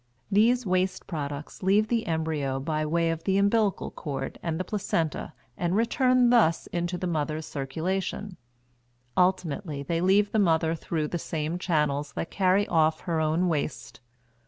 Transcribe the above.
These waste products leave the embryo by way of the umbilical cord and the placenta and return thus into the mother's circulation; ultimately they leave the mother through the same channels that carry off her own waste.